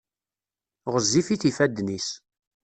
Ɣezzifit yifadden-is.